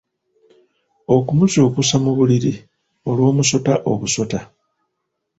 Okumuzuukusa mu buliri olw’omusota obusota.